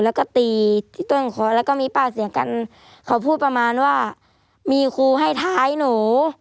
แล้วก็ตีที่ต้นคอแล้วก็มีปากเสียงกันเขาพูดประมาณว่ามีครูให้ท้ายหนู